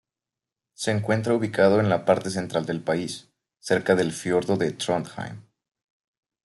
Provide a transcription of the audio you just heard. Se encuentra ubicado en la parte central del país, cerca del fiordo de Trondheim